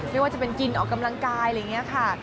ไม่ว่าจะเป็นกินออกกำลังกายอะไรอย่างนี้ค่ะ